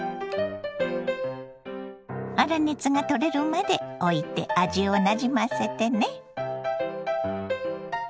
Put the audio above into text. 粗熱が取れるまでおいて味をなじませてね。